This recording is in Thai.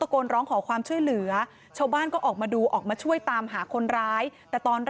อันนี้ผู้หญิงบอกว่าช่วยด้วยหนูไม่ได้เป็นอะไรกันเขาจะปั้มหนูอะไรอย่างนี้